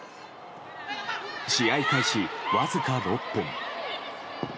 試合開始わずか６分。